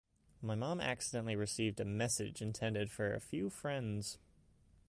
My mom accidentally received a message intended for a few friends.